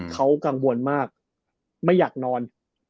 เขากังวลมากไม่อยากนอน